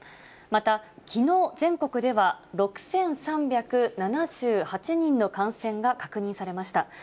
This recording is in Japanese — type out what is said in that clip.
また、きのう全国では６３７８人の感染が確認されました。